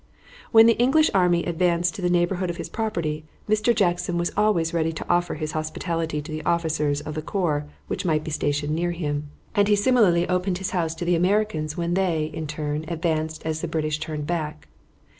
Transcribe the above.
When the English army advanced to the neighborhood of his property Mr. Jackson was always ready to offer his hospitality to the officers of the corps which might be stationed near him, and he similarly opened his house to the Americans when they, in turn, advanced as the British turned back.